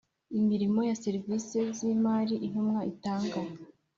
imirimo ya serivisi z imari Intumwa itanga